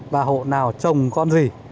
và hộ nào trồng con gì